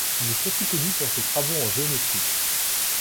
Il est surtout connu pour ses travaux en géométrie.